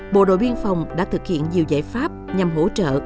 bộ đội biên phòng đã thực hiện nhiều giải pháp nhằm hỗ trợ